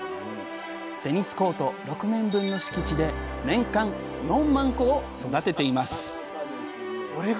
テニスコート６面分の敷地で年間４万個を育てています